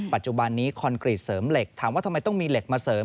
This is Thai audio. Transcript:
ปัจจุบันนี้คอนกรีตเสริมเหล็กถามว่าทำไมต้องมีเหล็กมาเสริม